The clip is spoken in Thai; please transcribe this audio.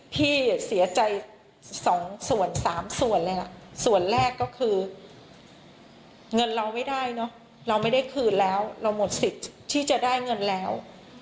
พี่เสียใจ๒ส่วน๓ส่วนเลยล่ะส่วนแรกก็คือเงินเราไม่ได้เนอะเราไม่ได้คืนแล้วเราหมดสิทธิ์ที่จะได้เงินแล้ว